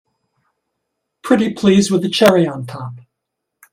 Pretty please with a cherry on top!